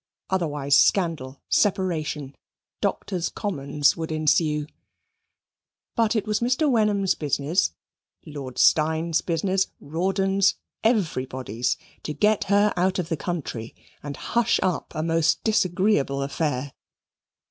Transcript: Otherwise, scandal, separation, Doctors' Commons would ensue. But it was Mr. Wenham's business, Lord Steyne's business, Rawdon's, everybody's to get her out of the country, and hush up a most disagreeable affair.